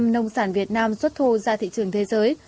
chín mươi nông sản việt nam xuất thô ra thị trường thế giới